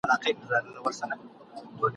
شور ماشور وي د بلبلو بوی را خپور وي د سنځلو !.